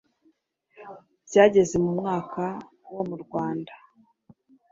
Byageze mu mwaka wa mu Rwanda